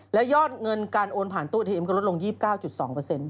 แล้วยอดเงินการโอนผ่านตู้เนียมก็ลดลง๒๙๒เปอร์เซ็นต์